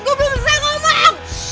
gue belum selesai ngomong